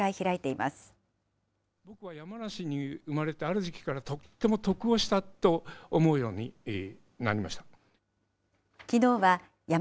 僕は山梨に生まれて、ある時期からとっても得をしたと思うよ